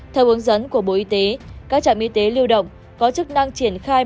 theo hướng dẫn của bộ y tế các trạm y tế lưu động có chức năng triển khai